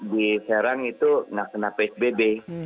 di serang itu tidak kena psbb